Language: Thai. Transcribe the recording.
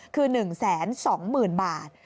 คือ๑๒๐๐๐บาท